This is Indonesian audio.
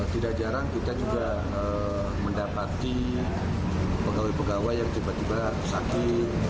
tidak jarang kita juga mendapati pegawai pegawai yang tiba tiba sakit